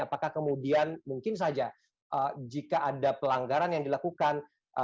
apakah kemudian mungkin saja jika ada pelanggaran yang dilakukan